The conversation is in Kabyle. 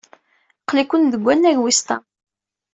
Aql-iken deg wannag wis ṭam.